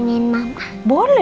kita buka tempat nggak bagus ya